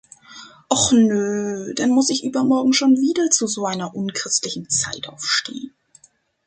Och nö, dann muss ich übermorgen schon wieder zu so einer unchristlichen Zeit aufstehen!